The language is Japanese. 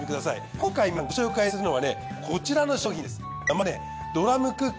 今回皆さんご紹介するのはねこちらの商品です。